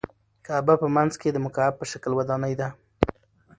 کعبه په منځ کې د مکعب په شکل ودانۍ ده.